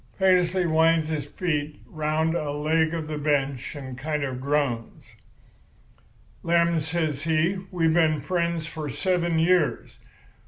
"Paisley winds his feet round a leg of the bench and kind of groans. "'Lem,' says he, 'we been friends for seven years.